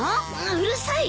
うるさい！